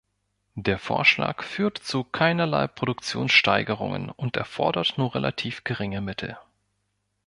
Der Vorschlag führt zu keinerlei Produktionssteigerungen und erfordert nur relativ geringe Mittel.